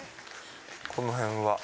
この辺は。